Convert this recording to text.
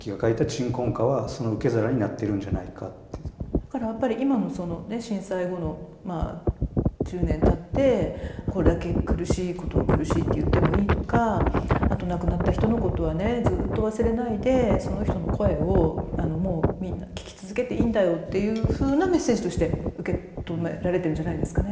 だからやっぱり今の震災後の１０年たってこれだけ苦しいことを苦しいって言ってもいいとかあと亡くなった人のことはねずっと忘れないでその人の声をもうみんな聞き続けていいんだよっていうふうなメッセージとして受け止められているんじゃないですかね。